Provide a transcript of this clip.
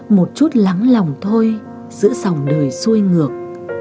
một chút lắng lòng thôi giữ sòng đời xuôi ngược